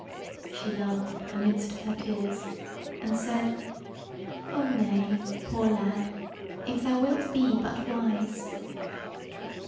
She laughed amidst of her tears, and said: "O, nay, poor lad, if thou wilt be but wise."